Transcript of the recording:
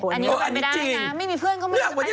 อันนี้ก็เป็นไปได้นะไม่มีเพื่อนก็ไม่รู้จะไปทำอะไร